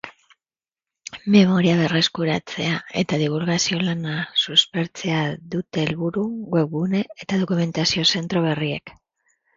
Memoria berreskuratzea eta dibulgazio lana suspertzea dute helburu webgune eta dokumentazio zentro berriek.